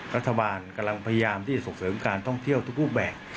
รัฐบาลกำลังพยายามที่จะส่งเสริมการท่องเที่ยวทุกรูปแบบ